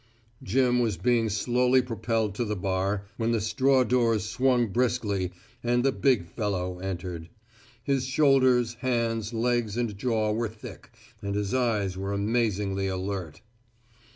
Jim was being slowly propelled to the bar, when the straw doors swung briskly and the big fellow entered. His shoulders, hands, legs and jaw were thick, and his eyes were amazingly alert.